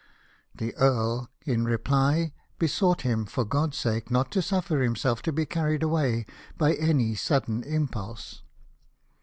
The Earl, in reply, besought him, for God's sake, not to suffer himself to be carried away by any sudden impulse.